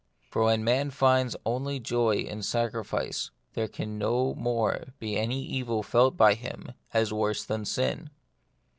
For when man finds only joy in sacrifice, there can no more be any evil felt by him as worse than sin.